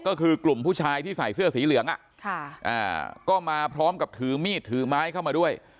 ก็คือกลุ่มผู้ชายที่ใส่เสื้อสีเหลืองก็มาพร้อมกับถือมีดถือไม้เข้ามาด้วย